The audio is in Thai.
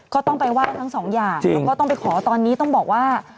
ก็ต้องไปไหว้ทั้งสองอย่างแล้วก็ต้องไปขอตอนนี้ต้องบอกว่า